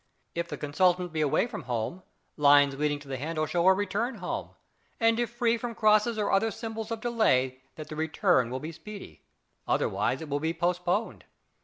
If the consultant be away from home, lines leading to the handle show a return home, and if free from crosses or other symbols of delay that the return will be speedy: otherwise it will be postponed.